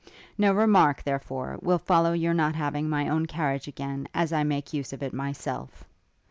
No remark, therefore, will follow your not having my own carriage again, as I make use of it myself.